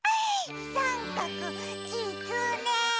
さんかくきつね！